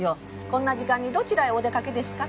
「こんな時間にどちらへお出かけですか？」